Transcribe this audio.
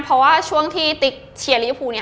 เพราะว่าช่วงที่ติ๊กเชียร์ลิเวฟูเนี่ย